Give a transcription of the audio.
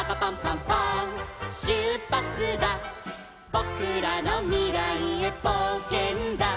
「ぼくらのみらいへぼうけんだ」